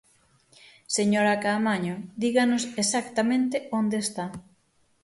Señora Caamaño, díganos exactamente onde está.